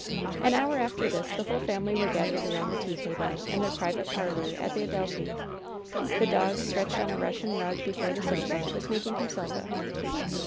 An hour after this the whole family were gathered around the tea table in their private parlor at the Adel phi. The dog, stretched on a Russian rug before the sofa, was making himself at home.